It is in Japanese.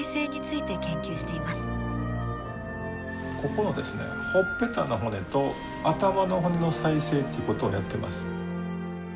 ここのほっぺたの骨と頭の骨の再生ってことをやっています。